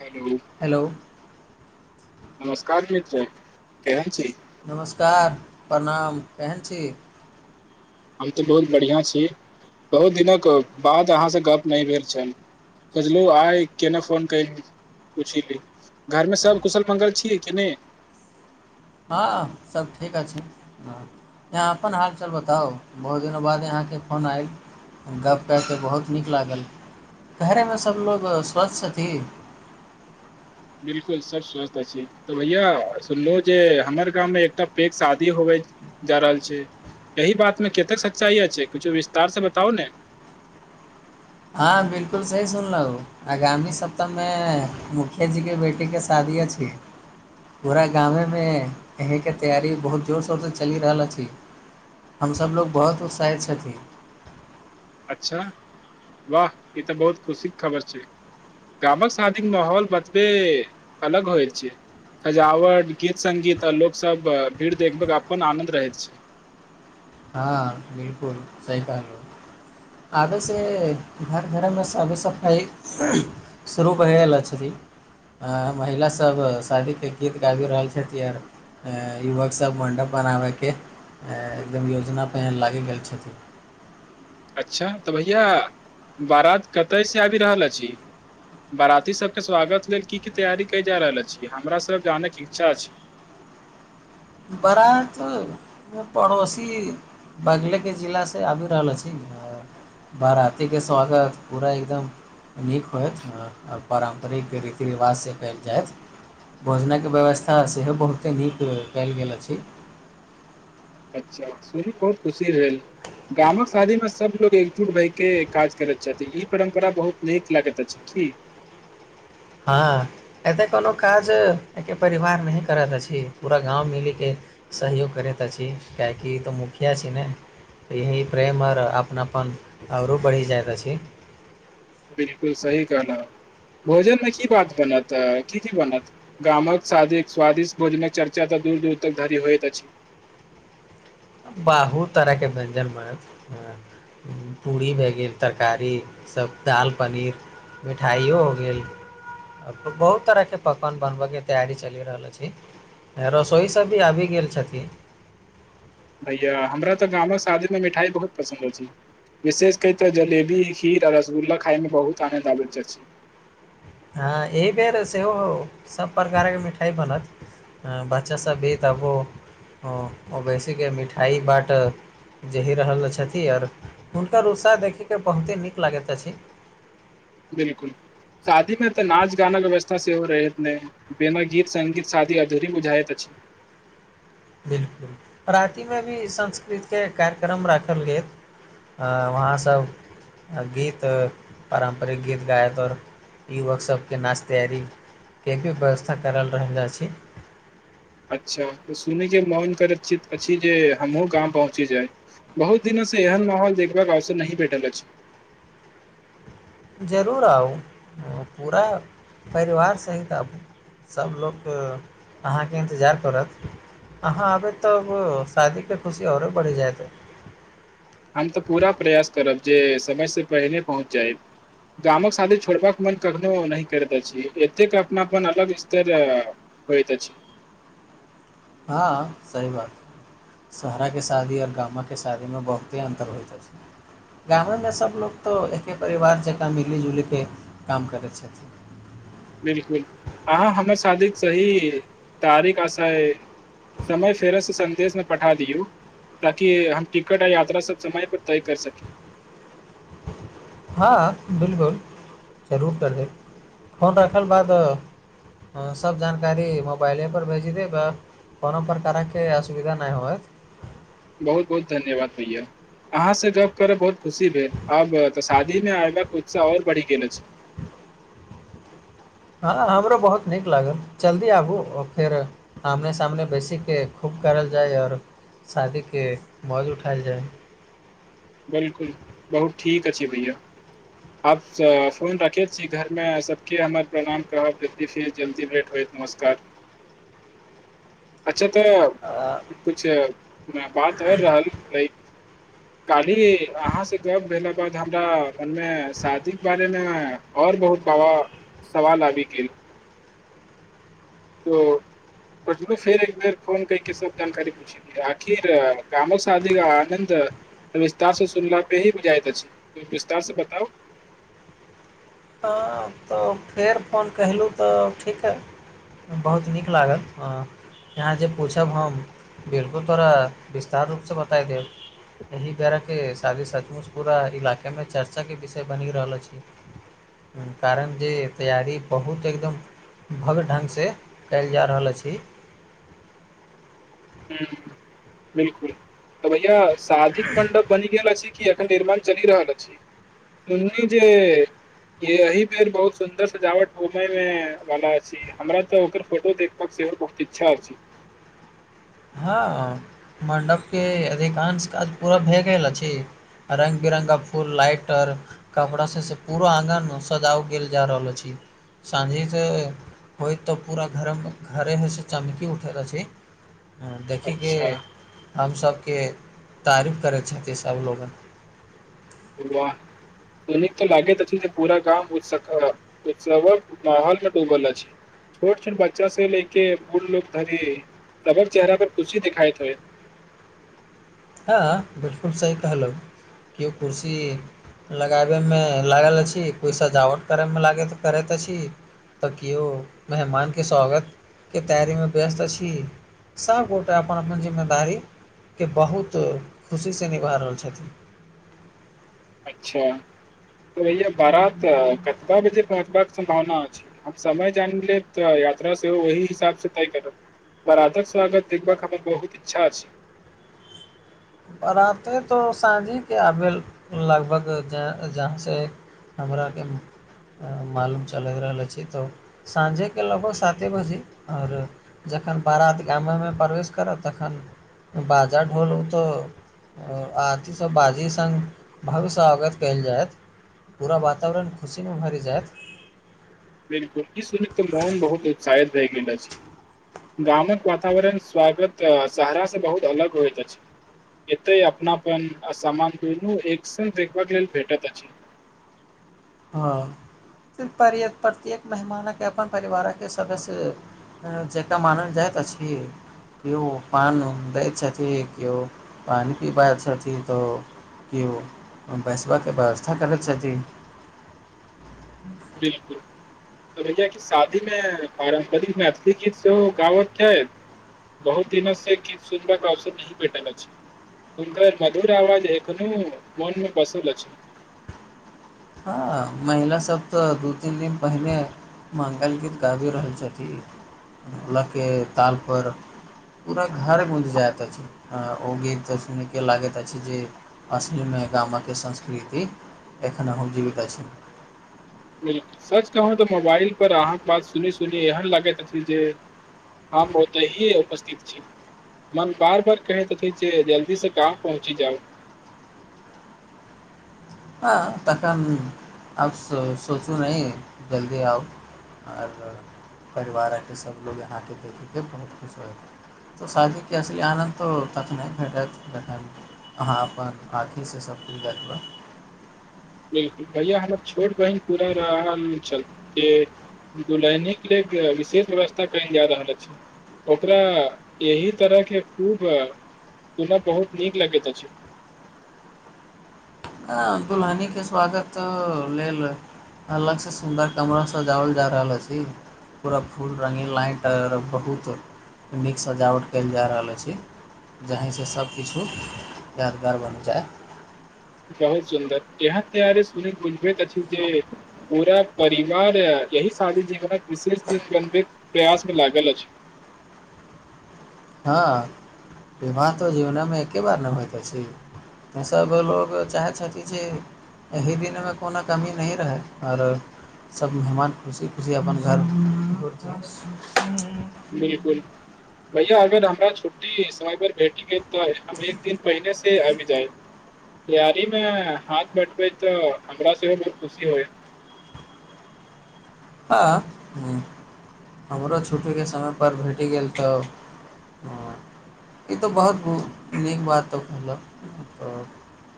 hello hello नमस्कार मित्र केहन छी नमस्कार प्रणाम केहन छी हम तऽ बहुत बढ़ियाँ छी बहुत दिनक बाद अहाँसँ गप्प नहि भेल छल बजलू आइ केना फोन कैलु पुछी ली घरमे सब कुशल मंगल छियै कि नहि हँ सब ठीक अछि अहाँ अपन हालचाल बताउ बहुत दिनक बाद अहाँके फोन आयल गप्प कऽ कऽ बहुत नीक लागल घरेमे सभलोक स्वस्थ छथि बिलकुल सब स्वस्थ अछि तऽ भैया सुनलहुँ जे हमर गाममे एकटा पैघ शादी होबै जा रहल छै एहि बात मे केतेक सच्चाइ अछि कुछो विस्तार से बताउ ने हँ बिलकुल सही सुनलौं आगामी सप्ताहमे मुखियाजीके बेटीके शादी अछि पूरा गामेमे एहीके तैयारी बहुत जोर शोरसँ चलि रहल अछि हमसभ लोग बहुत उत्साहित छथि अच्छा वाह ई तऽ बहुत खुशीेक खबर छै गामक शादीक माहौल बतबे अलग होइ छै सजावट गीत संगीत आ लोक सभक भीड़ देखबेक अपन आनंद रहैत छै हँ बिलकुल सही कहलियै आबेसँ घर घरमे साफ सफाइ सुरू पहिला छथि [unintelligible] आ महिला सब शादी के गीत गाबी रहल छथि आर युवक सभ मण्डप बनाबयके एकदम योजना पहिन लागि गेल छथिन अच्छा तऽ भैया बारात कतयसँ आबि रहल अछि बाराती सबके स्वागत लेल की की तैयारी कैल जा रहल अछी हमरा सब जानैके इच्छा अछि बारात पड़ोसी बगलेके जिलासँ आबि रहल अछि बराती के स्वागत पूरा एकदम नीक होयत पारंम्परिक रीति रिवाजसँ कयल जायत भोजनके व्यवस्था सेहो बहुते नीक कयल गेल अछि अच्छा सूनि कऽ बहुत खुशी भेल गामक शादी मे सब लोग एकजुट भए के काज करैत छथि ई परम्परा बहुत नीक लागैत अछि की हँ एतेक कोनो काज एके परिवार नहि करैत अछि पूरा गाँव मिलीके सहयोग करैत अछि कियाकि ई तऽ मुखिया छै ने तऽ यही प्रेम आओर अपनाप आओरो बढ़ि जाइत अछि बिलकुल सही कहलह भोजन मे की बात बनतऽ की की बनत गाम कऽ शादी स्वादिस्ट भोजनक चर्चा तऽ दूर दूर तक धरी होइत अछि बाहुत तरह के व्यंजन बनल पूरी भए गेल तरकारी सभ दालि पनीर मिठाइओ हो गेल बहुत तरह के पकवान बनबय के तैयारी चलि रहल अछि रसोइ सब भी आबि गेल छथिन भैया हमरा तऽ गामक शादीमे मिठाइ बहुत पसन्द अछि विशेष कै तऽ जलेबी खीर आ रसगुल्ला खाइमे बहुत आनन्द आबैत अछि हँ एहि बेर सेहो सब प्रकारके मिठाई बनत आ बच्चा सब ई तबो बेैस मिठाई बाटत जेहि रहल छथिन आओर हुनकर उत्साह देखैके बहुते नीक लागैत अछि बिलकुल शादी में तऽ नाच गानाे व्यवस्था सेहो रहै एतने बिना गीत संगीत शादी अधूरी बुझायत अछि बिलकुल रातिमे भी संस्कृतिकके कार्यक्रम राखल गेल आ वहाँसभ आ गीत पारम्परिक गीत गायैत आओर युवकसभके नाच तैयारी के भी व्यवस्था करल रहल छै अच्छा सुनै के मोन करय अछि जे हमहुँ गाँव पहुँची जाय बहुत दिनो से एहन माहौल देखबाक अवसर नहि भेटल अछि जरूर आउ पूरा परिवार सहित आबू सभ लोक अहाँके इन्तजार करत हाँ अभे त शादी के खुशी ओरो बढ़ी जायत हम तऽ पूरा प्रयास करब जे समयसँ पहिने पहुँच जायब गामक शादी छोड़बाक मन कखनो नहि कर तऽ अछि एतेक अपनापन अलग स्तर होइत अछि हँ सही बात शहरा के शादी आओर गामके शादीमे बहुते अन्तर होइत अछि गामे सभ लोकोग तऽ एके परिवार जकाँ मिलि जुलिके काम करै छथिन बिलकुल अहाँ हमर शादी सही तारीक आ शा समय फेरसँ सन्देशमे पठा दियौ ताकि हम टिकट आ यात्रा सब समय पर तय कर सकी हँ बिलकुल जरूर कर देब फोन राखल बाद हॅं सब जानकारी मोबाइले पर भेजी देब कोनो प्रकार के असुविधा नहि होत बहुत बहुत धन्यवाद भैया अहाँ से गप कर बहुत खुशी भेल अबऽ शादी मे आयब के उत्साह और बढ़ि गेल अछि हँ हमरो बहुत नीक लागल जल्दी आबू आ फेर आमने सामने बेसीके खूब करल जाय आओर शादीके मौज उठायल जाय बिलकुल बहुत ठीक अछि भैय आब फोन राखैत छी घरमे सबके हमर प्रणाम करब जल्दी फिर जल्दी लेट होयत नमस्कार अच्छा अ तऽ कुछ बात आओर रहलै काल्हि अहाँसँ गप भेला बाद हमरा मनमे शादीके बारेमे आओर बहुत बाबा सवाल आबि गेल ओ फेर एक बेर फोन कहिके सब जानकारी पूछ आखिर गामक शादी कऽ आनन्द विस्तार से सुनला पे ही बुझाइत अछि विस्तार से बताउ हँ तऽ फेर फोन कहलुं तऽ उठैके बहुत नीक लागल हँ यहाँ जे पूछब हम बिलकुल तोरा विस्तार रूपसँ बताय देब एहि बेर के शादी सचमुश पूरा इलाका मे चर्चा के विषय बनी रहल अछि कारण जे तैयारी बहुत एकदम भव्य ढंग से कयल जा रहल अछि ह बिलकुल तऽ भैया शादीक मण्डप बनि गेल या सीखिए निर्माण चलि रहल अछि सुनल जे य यही पेर बहुत सुंन्दर सजावट मुंबै में भाला अछि हमरा तऽ ओकर फोटो देखबाकक सेहो बहुत इच्छा हो छै हँ मण्डपके अधिकांश काज पूरा भए गेल अछि रंग बिरंगा फूल लाइट आर कमड़ा से से पूरा आगन मे सजाव गेल जा रहल छै साँझीसँ होइत तऽ पूरा घरमे घरे ह से चमकी उठैत रह छै ह देखिे अच्छा हमसभके तारीफ करै छथि सभलोगन बा दनिक त लागैत अछि जे पूरा गाम उ्सवक माहौल के ूबल अछि छोट छोट बच्चा से ले के बूढ लोग धनी तकर चेहरा पर खुशी दिखाइत हे हँ बिलकुल सही कहलहुँ कि ओ खुसी लगाबैमे लागल अछि कोइ सजावट करैमे लागल करैत अछि तऽ केिौ मेहमानके स्वागतके तैयरीीमे व्यस्त अछि सभगोटे अपन अपन जिम्मेदारी के बहुत खुशी से निभा रहल छथिन अच्छा त भैया बारात कतबा बजे पहुँचबाक सम्भावना छै हम समय जान लेब त यात्रा से ओहहि हिसाब से तय करब बरातक स्वागत देखबाक हमर बहुत इच्छा अछि बराते तो साँझी के आबे लगभग जहाँ से हमराक के मालूम चल रहल छी तऽ साँझे के लगभग साते बजे आओर जखन बारात गामेमे प्रवेश करब तखन बाजा ढोलू तऽ आओर अ अथीसँ बाजी सङ्ग भव्य स अ्वगत कयल जाय पूरा वातावरण खुशीमे भरि जायत बिलकुल ई सुन त मोन बहुत उत्साहित रहै गेल छै गामक वातावरण स्वागत शहराास से बहुत अलग होइत अछि एतै अपनापन सामान द एक सन देखभ लेल भेटत अ हँ पर प्रत्येक मेहमान के अपन परिवार के सदस्य जका मानल जाइ त छ ह के पान दै छथि के पान पीब छथि त केओ बैसबाकके व्यवस्था करैत छथिन बिलकुल त भैा क शादी में पारम्परिक मैथिली गीत सेहो गावत क्य है बहुत दिनो से कि सुनरे अवसर नहि भेटल अछि उनकर मधुर आवाज एखनो मनमे पसन्द छै हँ महिला सब तऽ दू तीन दिन पहिले मंगल गीत गाबि रहल छथिन लऽके तातपर पूरा घर बुज जाय ता ओ गीत सुनैके लागैत अछि जे असलमे गामक संस्कृति [unintelligible] सच कहू तऽ मोबाइल पर अहाँके बात सुनी सुनी एहन लागैत अथ जे आहा उतीये उपस्थित छी मन बार बार कहैत ह जे जल्दी से काम पहुँची जाउ हँ तखन अब सोचू न जल्दी आउ [unintelligible] तऽ शादी की असल आनन्द त तख नहि भेट अहाँ अपन अथीसँ सबकछु दए देबै बिल्कुल भैया हमर छोट बहिन पूरा राह मे चलते दू लेने के ल लेलए विशेष व्यवस्था कहल जा रहल अछि ओकरा एहि तरह के खूब सुनय बहुत नीक लगैत अछि अं दुलहनी के स्वागत लेल अलग से सुन्दर कमरा सजावल जा रहल अछि पूरा फूल रङ्गींग लाइट आर बहुत नीक सजावट कयल जा रहल अछि जाहिंस सभकिछु यादगार बनि जाय बहुत सुन्दर यहाँ त्यारि सुनक बुझबैत अछि जें पूरा परिवार यही सारी जीवनक विशेषी बनबे प्रयास मे लागल अछि हँ विवाह तो जीवनमे एके बार नहि होइतो अछि सभ लोको चाहै छथिन जे एहि दिनमे कोनो कमी नहिही रहै आओर सभ मेहमान खुशी खुशी अपन घर - बिलकुल भैया अगर हमरा छुट्टी समय पर भेटी गेल तऽ हम एक दिन पहिनेे से आबि जाइब तैयारी मे हाथ बंटबे तऽ हमरा सेहो बहुत खुशी होय हँ ह हमरो छुट्टीके समय पर भेटि गेल तऽ ह ई तऽ बहुत नीक बात तऽ मतलब तऽ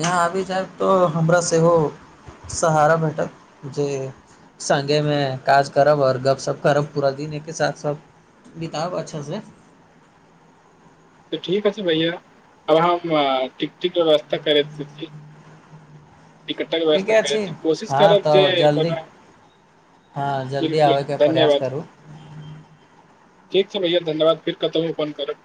यहाँ आबि जायब तऽ हमरा सेहो सहारा भेटत जे सङगेमे काज करब आओर गपशप करब पूरा दिन एकके साथ सब बिताब अच्छासँ तऽ ठीक ह छै भैया अब हम टिकटिक व्यवस्था करैत छी टिकटक ठीके व्यवस्था अ छी करैत कोशिश हँ करब जे तऽ जल्दी कोनो हँ जल्दी बिलकुल आबैके प्रयास धन्यवाद करू ठीक छै भैया धन्यवाद फेर कतहुँ फोन करब